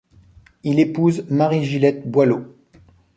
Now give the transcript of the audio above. Il épouse Marie-Gilette Boileau.